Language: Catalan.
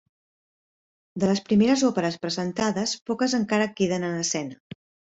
De les primeres òperes presentades poques encara queden en escena.